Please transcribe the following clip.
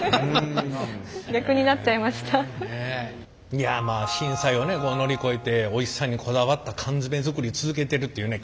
いやまあ震災を乗り越えておいしさにこだわった缶詰作り続けてるっていうね